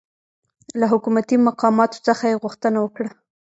له حکومتي مقاماتو څخه یې غوښتنه وکړه